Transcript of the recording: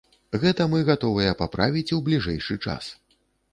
Гэта мы гатовыя паправіць у бліжэйшы час.